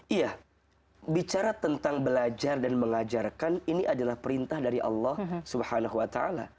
iya bicara tentang belajar dan mengajarkan ini adalah perintah dari allah swt